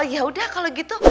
yaudah kalau gitu